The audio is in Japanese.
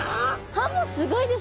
歯もすごいですね。